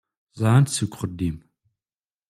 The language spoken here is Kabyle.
Ẓẓɛen-t seg uxeddim.